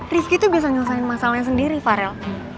rizky tuh biasa nyelesain masalahnya sendiri farel